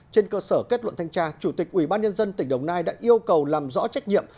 trên cơ sở kết luận thanh tra chủ tịch ủy ban nhân dân tỉnh đồng nai đã yêu cầu làm rõ trách nhiệm